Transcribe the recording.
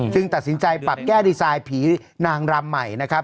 ตัดสินใจปรับแก้ดีไซน์ผีนางรำใหม่นะครับ